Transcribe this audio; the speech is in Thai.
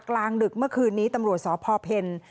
กลางดึกเมื่อคืนนี้ตำรวจสพเพล